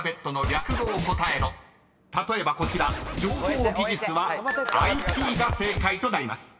［例えばこちら情報技術は「ＩＴ」が正解となります］